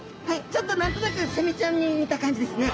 ちょっと何となくセミちゃんに似た感じですね。